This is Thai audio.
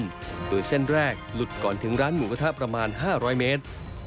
โดยเส้นแรกหลุดก่อนถึงร้านหมูกระทะประมาณ๕๐๐เมตร